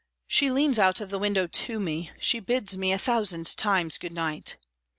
"She leans out of the window to me, she bids me a thousand times good night.